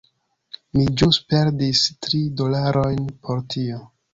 Mi ĵus perdis tri dolarojn por tio.